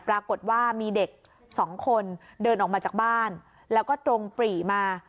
ปรากฏว่ามีเด็กสองคนเดินออกมาจากบ้านแล้วก็ตรงปรีมา